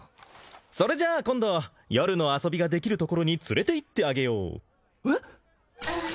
それじゃあ今度夜の遊びができるところに連れて行ってあげようえっ？